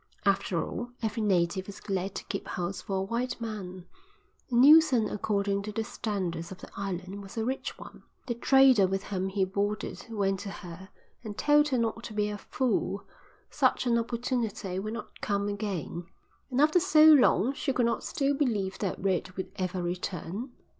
After all, every native was glad to keep house for a white man, and Neilson according to the standards of the island was a rich one. The trader with whom he boarded went to her and told her not to be a fool; such an opportunity would not come again, and after so long she could not still believe that Red would ever return.